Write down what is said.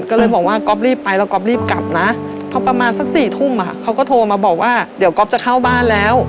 ก็เลยบอกว่าก๊อปรีบไปแล้วก๊อฟรีบกลับนะพอประมาณสัก๔ทุ่มเขาก็โทรมาบอกว่าเดี๋ยวก๊อฟจะเข้าบ้านแล้ว